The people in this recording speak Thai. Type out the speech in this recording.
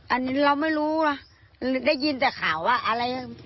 อันนี้เราไม่รู้นะได้ยินแต่ข่าวว่าอะไร